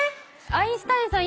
アインシュタインさん